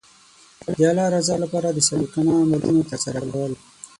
د الله رضا لپاره د صادقانه عملونو ترسره کول.